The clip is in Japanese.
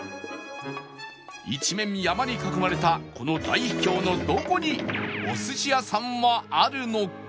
一面山に囲まれたこの大秘境のどこにお寿司屋さんはあるのか？